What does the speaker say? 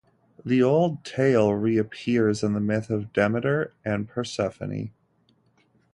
The old tale reappears in the myth of Demeter and Persephone.